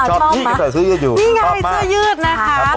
ชอบที่กันแต่ซื้อยืดอยู่นี่ไงเสื้อยืดนะคะ